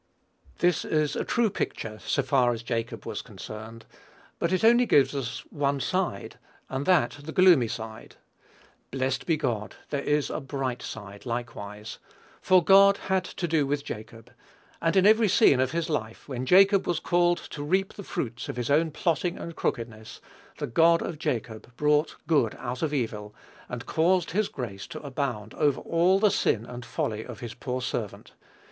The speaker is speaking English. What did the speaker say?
This is a true picture, so far as Jacob was concerned; but it only gives us one side, and that the gloomy side. Blessed be God, there is a bright side likewise; for God had to do with Jacob; and in every scene of his life, when Jacob was called to reap the fruits of his own plotting and crookedness, the God of Jacob brought good out of evil, and caused his grace to abound over all the sin and folly of his poor servant.